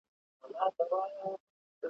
سرمی ایښی و درګا ته، سترګي ګوري ستا و خواته